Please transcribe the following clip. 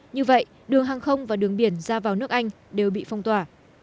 như vậy đường hàng không và đường biển ra vào nước anh đều bị phong tỏa